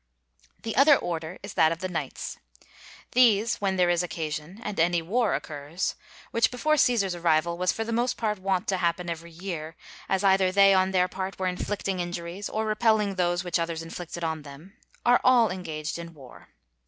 The other order is that of the knights. These, when there is occasion and any war occurs (which before Cæsar's arrival was for the most part wont to happen every year, as either they on their part were inflicting injuries or repelling those which others inflicted on them), are all engaged in war.